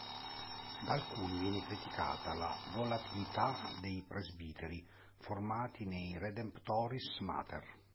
Da alcuni viene criticata la "volatilità" dei presbiteri formati nei "Redemptoris Mater".